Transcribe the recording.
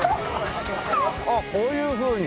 ああこういうふうに。